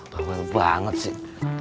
bawel banget sih